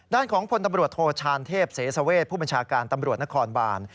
ด้านของพลตำรวจโทชานเทพเสสเวชผู้บัญชาการตำรวจนครบาน